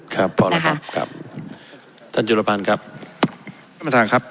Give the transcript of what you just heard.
ครับนะคะครับท่านจุลภัณฑ์ครับท่านประธานครับ